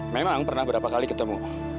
memang pernah berapa kali ketemu